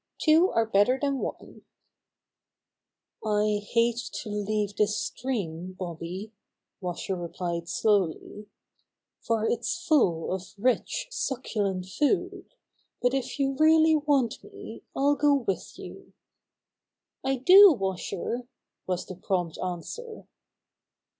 Two are better than one." 92 Bobby Gray Squirrel's Adventures "I hate to leave this stream, Bobby," Wash er replied slowly, "for it's full of rich, suc culent food, but if you really want me I'll go with you." "I do, Washer," was the prompt answer.